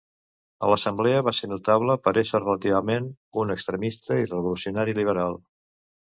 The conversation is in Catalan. A l'Assemblea, va ser notable per ésser relativament un extremista i revolucionari liberal.